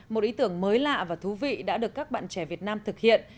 một ý tưởng mới lạ và thú vị đã được các bạn trẻ việt nam thực hiện